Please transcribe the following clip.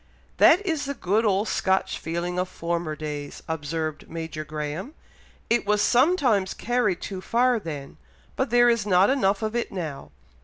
"That is the good old Scotch feeling of former days," observed Major Graham. "It was sometimes carried too far then, but there is not enough of it now.